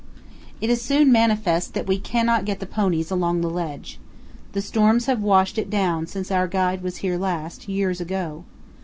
It is soon manifest that we cannot get the ponies along the ledge. The storms have washed it down since our guide was here last, years ago.